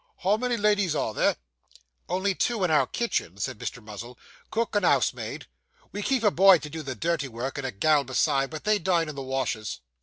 'How many ladies are there?' 'Only two in our kitchen,' said Mr. Muzzle; 'cook and 'ouse maid. We keep a boy to do the dirty work, and a gal besides, but they dine in the wash'us.